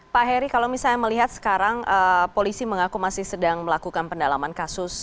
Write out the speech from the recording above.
pak heri kalau misalnya melihat sekarang polisi mengaku masih sedang melakukan pendalaman kasus